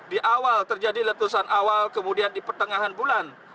di awal terjadi letusan awal kemudian di pertengahan bulan